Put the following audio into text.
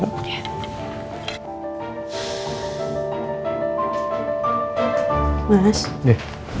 oke kita berdua